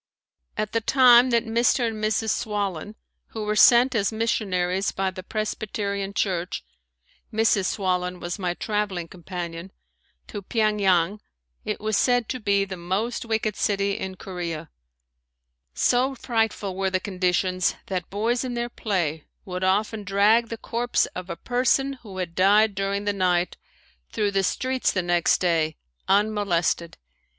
At the time that Mr. and Mrs. Swallen, who were sent as missionaries by the Presbyterian church (Mrs. Swallen was my traveling companion), to Pyeng Yang, it was said to be the most wicked city in Korea. So frightful were the conditions that boys in their play would often drag the corpse of a person who had died during the night through the streets the next day, unmolested.